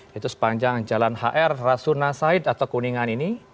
yaitu sepanjang jalan hr rasuna said atau kuningan ini